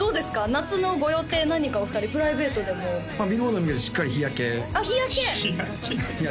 夏のご予定何かお二人プライベートでもまあビルボードに向けてしっかり日焼けあっ日焼け日焼け